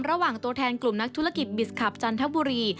ตัวแทนกลุ่มนักธุรกิจบิสคลับจันทบุรี